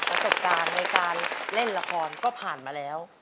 ประสบการณ์ในการเล่นละครก็ผ่านมาแล้ว